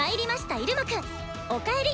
入間くん」「おかえり」。